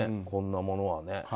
こんなものはね。